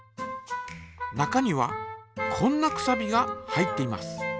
中にはこんなくさびが入っています。